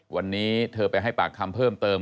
วันนี้เธอไปให้ปากคำเพิ่มเติม